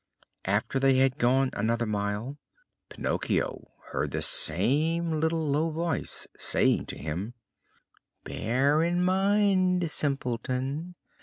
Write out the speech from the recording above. After they had gone another mile, Pinocchio heard the same little low voice saying to him: "Bear it in mind, simpleton!